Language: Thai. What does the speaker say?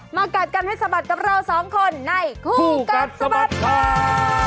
กัดกันให้สะบัดกับเราสองคนในคู่กัดสะบัดข่าว